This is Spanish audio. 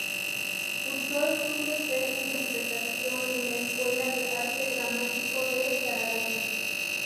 Cursó estudios de interpretación en la Escuela de Arte Dramático de Zaragoza.